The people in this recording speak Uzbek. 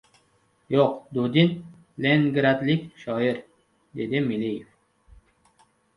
— Yo‘q, Dudin lennngradlik shoir, — dedi Meliyev.